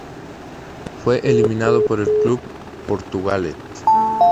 Fue eliminado por el Club Portugalete.